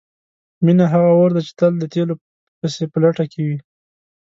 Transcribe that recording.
مینه هغه اور دی چې تل د تیلو پسې په لټه کې وي.